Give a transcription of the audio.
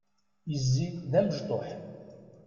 Izzi d amecṭuḥ.